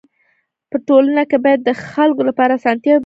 په ټولنه کي باید د خلکو لپاره اسانتياوي برابري سي.